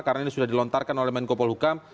karena ini sudah dilontarkan oleh menko polhukam